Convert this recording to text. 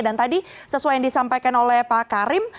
dan tadi sesuai yang disampaikan oleh pak karim